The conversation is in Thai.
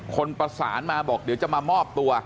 คนประสานมาบอกเดี๋ยวจะมามอบตัว